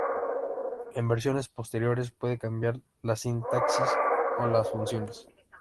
En versiones posteriores puede cambiar la sintaxis o las funciones.